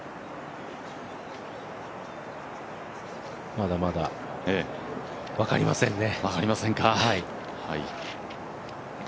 まだまだ分かりませんね。